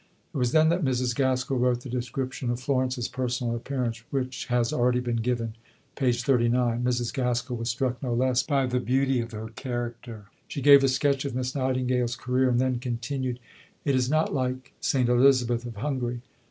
It was then that Mrs. Gaskell wrote the description of Florence's personal appearance, which has already been given (p. 39). Mrs. Gaskell was struck no less by the beauty of her character. She gave a sketch of Miss Nightingale's career, and then continued: "Is it not like St. Elizabeth of Hungary?